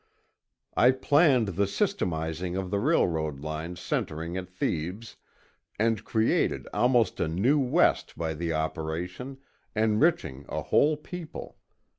I planned the systematizing of the railroad lines centering at Thebes, and created almost a new West by the operation, enriching a whole people.